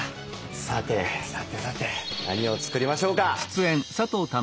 さてさてさて何を作りましょうか。